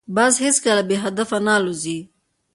باز هیڅکله بې هدفه نه الوزي